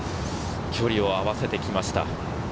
距離を合わせてきました。